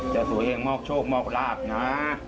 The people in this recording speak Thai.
เจ้าสัวเฮงมอกโชคมอกราภนะ